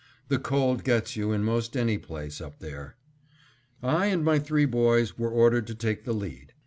The cold gets you in most any place, up there. I and my three boys were ordered to take the lead.